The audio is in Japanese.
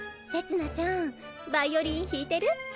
せつなちゃんヴァイオリン弾いてる？